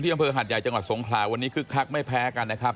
อำเภอหาดใหญ่จังหวัดสงขลาวันนี้คึกคักไม่แพ้กันนะครับ